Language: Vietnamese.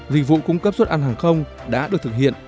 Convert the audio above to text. dịch vụ cung cấp suất ăn hàng không đã được thực hiện